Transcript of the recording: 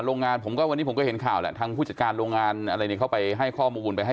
โรงงานผมก็วันนี้ผมก็เห็นข่าวแหละทางผู้จัดการโรงงานไอ้